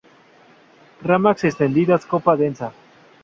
Ramas extendidas, copa densa.